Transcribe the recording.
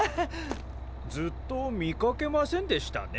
ずっと見かけませんでしたね。